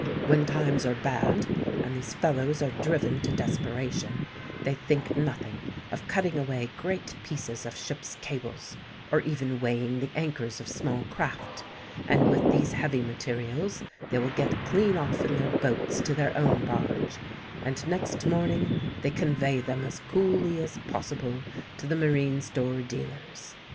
When times are bad, and these fellows are driven to desperation, they think nothing of cutting away great pieces of ships' cables, or even weighing the anchors of small craft; and with these heavy materials they will get clean off in their boats to their own barge; and next morning they convey them as coolly as possible to the marine store dealers.